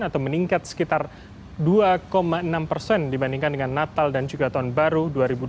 atau meningkat sekitar dua enam persen dibandingkan dengan natal dan juga tahun baru dua ribu dua puluh satu dua ribu dua puluh dua